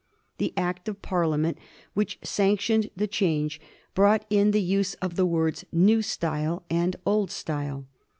The Act of Parliament which sanctioned the change brought in the use of the words " new style " and " old style."